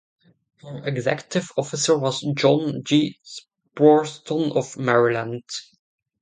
Her executive officer was John G. Sproston of Maryland.